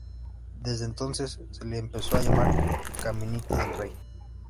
Desde entonces, se le empezó a llamar Caminito del Rey.